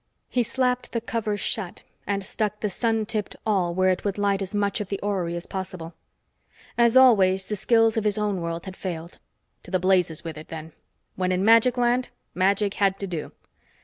He slapped the cover shut and stuck the sun tipped awl where it would light as much of the orrery as possible. As always, the skills of his own world had failed. To the blazes with it, then when in magic land, magic had to do.